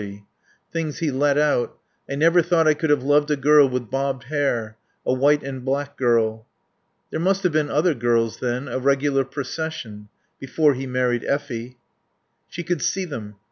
Things he let out "I never thought I could have loved a girl with bobbed hair. A white and black girl." There must have been other girls then. A regular procession. Before he married Effie. She could see them.